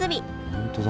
本当だ。